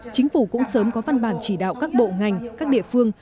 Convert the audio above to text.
chính phủ cũng sớm có văn bản chỉ đạo các bộ ngành các địa phương